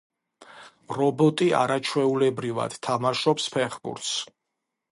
რობოტი არაჩვეულებრივად თამაშობს ფეხბურთს.